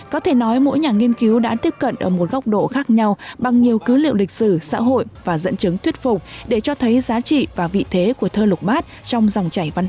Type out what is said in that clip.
có thể nói mỗi nhà nghiên cứu đã tiếp cận ở một góc độ khác nhau bằng nhiều cứ liệu lịch sử xã hội và dẫn chứng thuyết phục để cho thấy giá trị và vị thế của thơ lục bát trong dòng chảy văn hóa